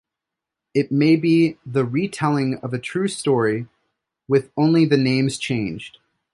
It may be the retelling of a true story with only the names changed.